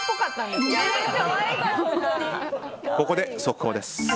ここで速報です。